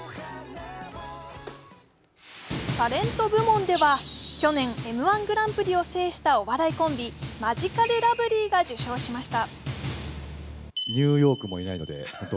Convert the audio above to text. タレント部門では去年「Ｍ−１グランプリ」を制したお笑いコンビマヂカルラブリーが受賞しました。